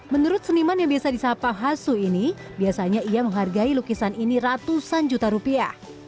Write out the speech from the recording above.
menurut seniman yang biasa disapa hasu ini biasanya ia menghargai lukisan ini ratusan juta rupiah